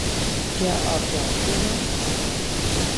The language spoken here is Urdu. کیا آپ جانتے ہیں